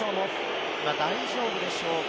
大丈夫でしょうか？